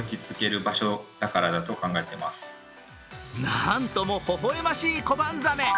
なんとも微笑ましいコバンザメ。